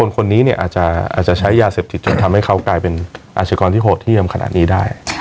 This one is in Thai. คนนี้เนี่ยอาจจะใช้ยาเสพติดจนทำให้เขากลายเป็นอาชกรที่โหดเยี่ยมขนาดนี้ได้